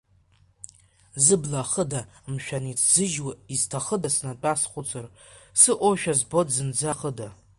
Зыбла ахыда, мшәан иҭсыжьуа, изҭахыда, снатәа схәыцыр, сыҟоушәа збоит зынӡа хыда.